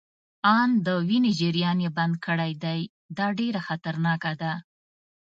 آن د وینې جریان يې بند کړی دی، دا ډیره خطرناکه ده.